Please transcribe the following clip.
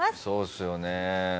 そうですよね。